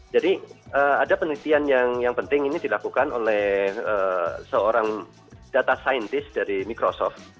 jadi ada penelitian yang penting ini dilakukan oleh seorang data scientist dari microsoft